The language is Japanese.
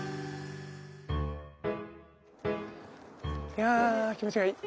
いや気持ちがいい。